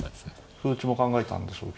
歩打ちも考えたんでしょうけどね